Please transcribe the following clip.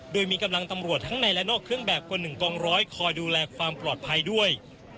โดยมีกำลังตำรวจทั้งในและนอกเครื่องแบบกว่า๑กองร้อยคอยดูแลความปลอดภัยด้วย